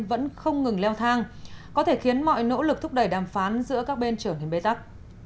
vẫn không ngừng leo thang có thể khiến mọi nỗ lực thúc đẩy đàm phán giữa các bên trở nên bế tắc